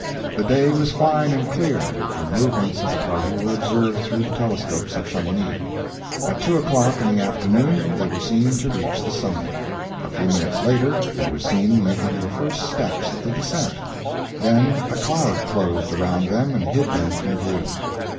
The day was fine and clear, and the movements of the party were observed through the telescopes of Chamonix; at two o'clock in the afternoon they were seen to reach the summit. A few minutes later they were seen making the first steps of the descent; then a cloud closed around them and hid them from view.